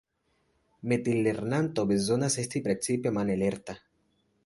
Metilernanto bezonas esti precipe mane lerta.